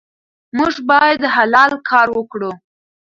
موږ باید حلال کار وکړو.